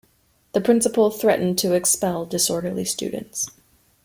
The principle threatened to expel disorderly students.